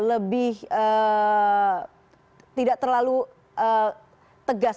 lebih tidak terlalu tegas